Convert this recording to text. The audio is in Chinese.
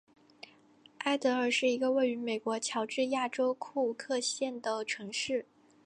艾得尔是一个位于美国乔治亚州库克县的城市。